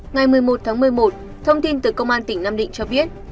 ngày một mươi một tháng một mươi một thông tin từ công an tỉnh nam định cho biết